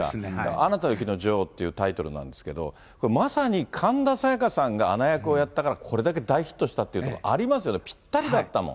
アナと雪の女王というタイトルなんですけども、まさに神田沙也加さんがアナ役をやったから、これだけ大ヒットしたっていうところありますよね、ぴったりだったもん。